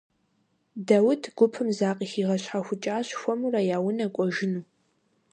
Даут гупым закъыхигъэщхьэхукӀащ, хуэмурэ я унэ кӀуэжыну.